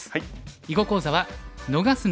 囲碁講座は「逃すな！